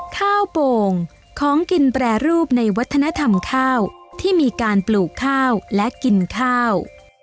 โป่งของกินแปรรูปในวัฒนธรรมข้าวที่มีการปลูกข้าวและกินข้าว